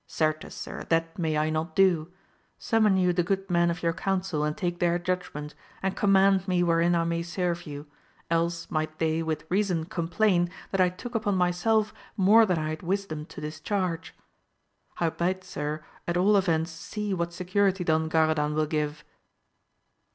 — Certes sir that may I not do ; summon you the good men of your counsel and take their judgment, and command me wherein I may serve you, else might they with reason complain that I took upon myself more than I had wisdom to discharge ; howbeit sir at all events see what security Don Garadan will give.